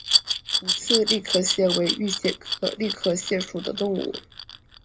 五刺栗壳蟹为玉蟹科栗壳蟹属的动物。